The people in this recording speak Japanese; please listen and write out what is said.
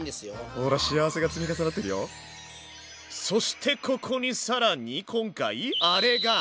ほらそしてここに更に今回あれが！